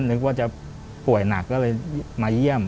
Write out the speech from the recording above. นึกว่าจะป่วยหนักก็เลยมาเยี่ยม